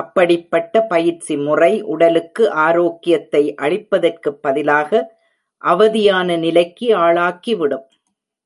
அப்படிப்பட்ட பயிற்சி முறை உடலுக்கு ஆரோக்கியத்தை அளிப்பதற்குப் பதிலாக, அவதியான நிலைக்கு ஆளாக்கிவிடும்.